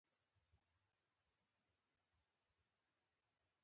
کلیشه له فرانسوي کليمې کلیسې څخه راغلې ده.